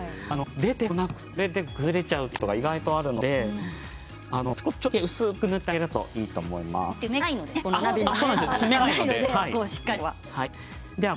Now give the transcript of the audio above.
出てこなくて崩れちゃうということが意外とあるのでちょっとだけ薄く油を塗ってあげるといいと思います。